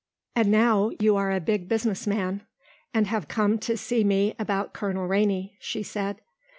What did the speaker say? "And now you are a big business man and have come to see me about Colonel Rainey," she said.